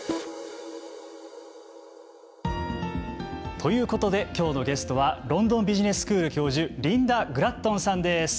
ということできょうのゲストはロンドン・ビジネススクール教授リンダ・グラットンさんです。